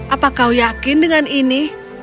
apa kau yakin dengan ini